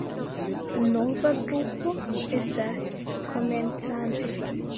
Nova grupo estas komencante.